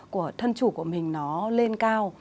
của thân chủ của mình nó lên cao